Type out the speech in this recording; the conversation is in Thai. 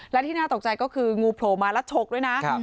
และที่น่าตกใจก็คืองูโผล่มาแล้วฉกด้วยนะ